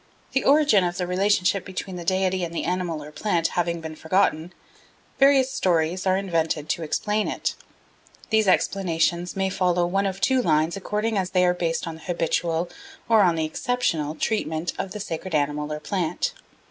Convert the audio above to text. The origin of the relationship between the deity and the animal or plant having been forgotten, various stories are invented to explain it. These explanations may follow one of two lines according as they are based on the habitual or on the exceptional treatment of the sacred animal or plant.